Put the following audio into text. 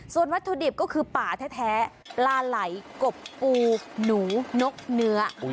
ส่วนวัตถุดิบก็คือป่าแท้ปลาไหลกบปูหนูนกเนื้อ